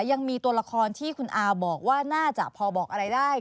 ยังมีตัวละครที่คุณอาบอกว่าน่าจะพอบอกอะไรได้